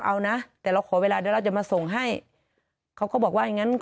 เอานะแต่เราขอเวลาเดี๋ยวเราจะมาส่งให้เขาก็บอกว่าอย่างงั้น